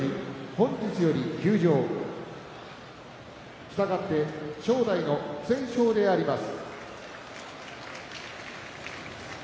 今日から休場、したがって正代の不戦勝です。